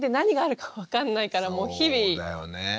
そうだよね。